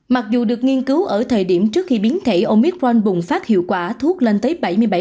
mặc dù được nghiên cứu ở thời điểm trước khi biến thể omicron bùng phát hiệu quả thuốc lên tới bảy mươi bảy